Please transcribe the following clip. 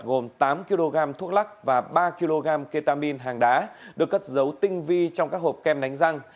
gồm tám kg thuốc lắc và ba kg ketamin hàng đá được cất dấu tinh vi trong các hộp kem đánh răng